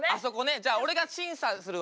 じゃあ俺が審査するわ。